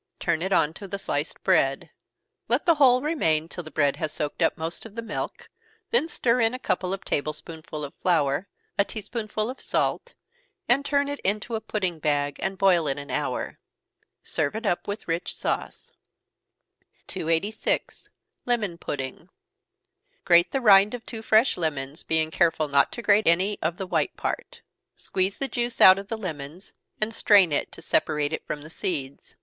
Turn it on to the sliced bread let the whole remain till the bread has soaked up most of the milk, then stir in a couple of table spoonsful of flour, a tea spoonful of salt, and turn it into a pudding bag, and boil it an hour. Serve it up with rich sauce. 286. Lemon Pudding. Grate the rind of two fresh lemons, being careful not to grate any off the white part. Squeeze the juice out of the lemons, and strain it, to separate it from the seeds.